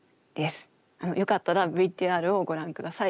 よかったらＶＴＲをご覧下さい。